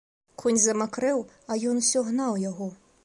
Конь замакрэў, а ён усё гнаў яго.